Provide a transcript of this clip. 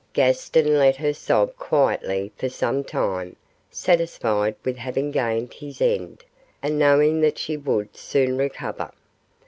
Gaston let her sob quietly for some time, satisfied with having gained his end, and knowing that she would soon recover.